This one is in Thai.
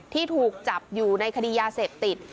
ที่ถูกจับอยู่ในคดียาเสพติด